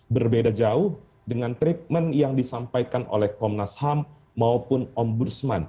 berbeda jauh dengan treatment yang disampaikan oleh komnas ham maupun ombudsman